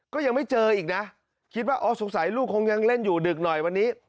ก็ยังไม่เจออีกนะคิดว่าอ๋อสงสัยลูกคงยังเล่นอยู่ดึกหน่อยวันนี้